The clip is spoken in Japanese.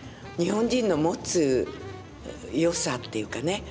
日本人の持つ良さっていうかね